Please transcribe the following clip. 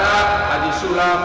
atas perintah haji sulam